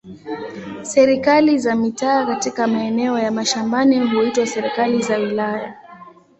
Serikali za mitaa katika maeneo ya mashambani huitwa serikali za wilaya.